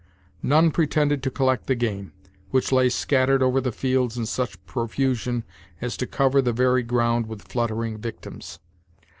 None pretended to collect the game, which lay scattered over the fields in such profusion as to cover the very ground with fluttering victims.